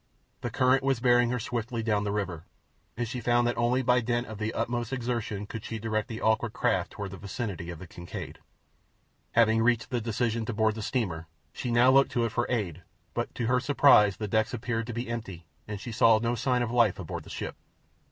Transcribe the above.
The current was bearing her swiftly down the river, and she found that only by dint of the utmost exertion could she direct the awkward craft toward the vicinity of the Kincaid. Having reached the decision to board the steamer, she now looked to it for aid, but to her surprise the decks appeared to be empty and she saw no sign of life aboard the ship.